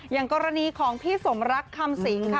อย่างกรณีของพี่สมรักคำสิงค่ะ